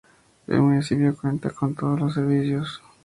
El municipio cuenta con todos los servicios.